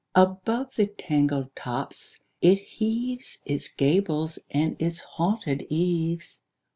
Above the tangled tops it heaves Its gables and its haunted eaves.